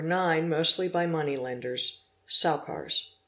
9 mostly by money lenders (Sowcars).